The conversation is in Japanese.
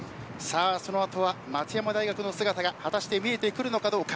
その後は松山大学の姿が見えてくるのかどうか。